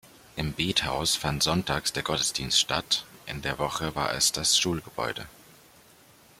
Im Bethaus fand Sonntags der Gottesdienst statt, in der Woche war es das Schulgebäude.